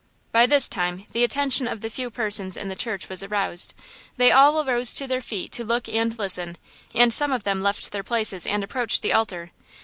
By this time the attention of the few persons in the church was aroused. They all arose to their feet to look and listen, and some of them left their places and approached the altar.